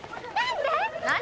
何で？